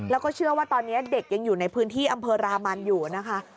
แล้วก็เชื่อว่าตอนนี้เด็กยังอยู่ในพื้นที่อำเภอรามันอยู่นะคะ